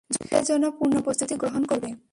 যুদ্ধের জন্য পূর্ণ প্রস্তুতি গ্রহণ করবে।